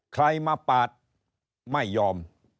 ใครมาปาดไม่ยอม